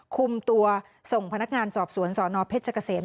คุมตัวส่งพนักงานสอบสวนสนเพชรเกษม